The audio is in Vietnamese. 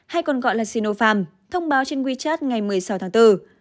hay còn gọi là sinopharm thông báo trên wechat ngày một mươi sáu tháng bốn